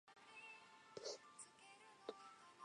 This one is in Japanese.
日の出とともにこのあたりの野鳥が視界に入る